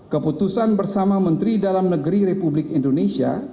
keputusan bersama menteri dalam negeri republik indonesia